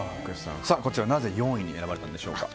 こちら、なぜ４位に選ばれたんでしょうか？